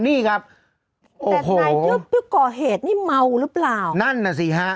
นี่ครับแต่นายทึบผู้ก่อเหตุนี่เมาหรือเปล่านั่นน่ะสิฮะ